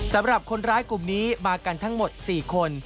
สำหรับคนร้ายกลุ่มนี้มากันทั้งหมด๔คน